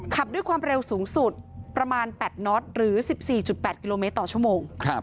ขับด้วยความเร็วสูงสุดประมาณ๘น็อตหรือ๑๔๘กิโลเมตรต่อชั่วโมง